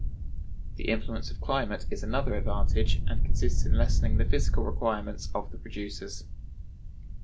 The influence of climate [is another advantage, and] consists in lessening the physical requirements of the producers.